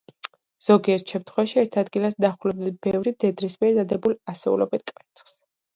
ზოგიერთ შემთხვევაში, ერთ ადგილას ნახულობენ ბევრი მდედრის მიერ დადებულ ასეულობით კვერცხს.